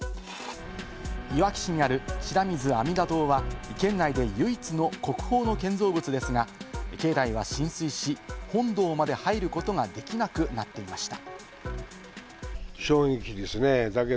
いわき市にある白水阿弥陀堂は県内で唯一の国宝の建造物ですが、境内は浸水し、本堂まで入ることができなくなっていました。